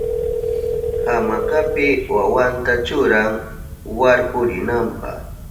Hamakapi wawanta churan warkurinanpa.